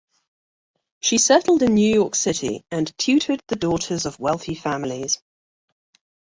She settled in New York City and tutored the daughters of wealthy families.